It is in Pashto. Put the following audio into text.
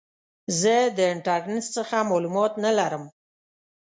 زه د انټرنیټ څخه معلومات نه لرم.